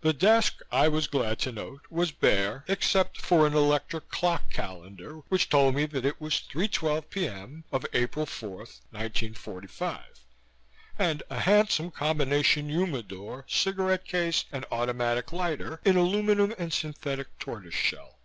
The desk I was glad to note, was bare except for an electric clock calendar which told me that it was 3:12 p.m. of April 4, 1945, and a handsome combination humidor, cigarette case and automatic lighter in aluminum and synthetic tortoise shell.